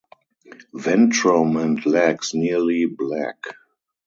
Ventrum and legs nearly black.